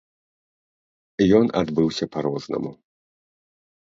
Ён адбыўся па рознаму.